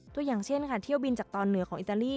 ตัวอย่างเช่นค่ะเที่ยวบินจากตอนเหนือของอิตาลี